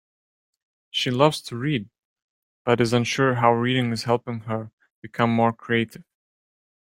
She loves to read, but is unsure how reading is helping her become more creative.